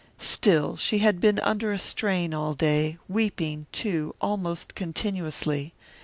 Still she had been under a strain all day, weeping, too, almost continuously.